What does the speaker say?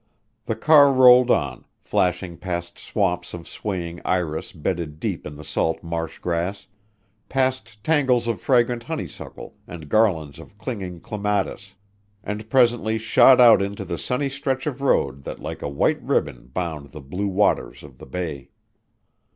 The car rolled on, flashing past swamps of swaying iris bedded deep in the salt marsh grass, past tangles of fragrant honeysuckle and garlands of clinging clematis, and presently shot out into the sunny stretch of road that like a white ribbon bound the blue waters of the bay.